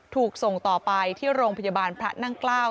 ถูกส่งต่อไปที่โรงพยาบาลพระนั่งเกล้า